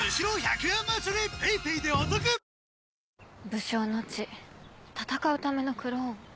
武将の血戦うためのクローン。